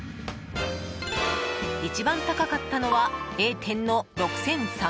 一番高かったのはＡ店の６３００円。